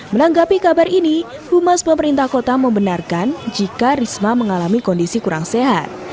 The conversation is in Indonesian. menanggapi kabar ini humas pemerintah kota membenarkan jika risma mengalami kondisi kurang sehat